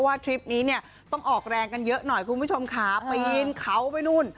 ว่าทริปนี้ต้องออกแรงกันเยอะหน่อยผู้ที่ชมค้าไปริ้นเขาไปนู้น